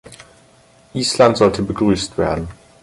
Island sollte begrüßt werden.